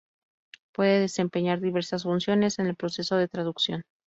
Puede desempeñar diversas funciones en el proceso de traducción.